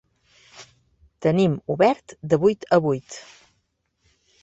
Tenim obert de vuit a vuit.